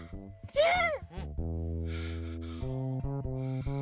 うん。